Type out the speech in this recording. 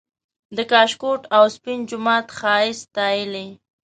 د کاشکوټ او سپین جومات ښایست ستایلی